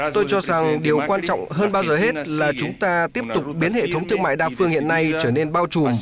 tôi cho rằng điều quan trọng hơn bao giờ hết là chúng ta tiếp tục biến hệ thống thương mại đa phương hiện nay trở nên bao trùm